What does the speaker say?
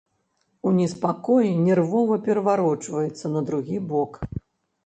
У неспакоі нервова пераварочваецца на другі бок.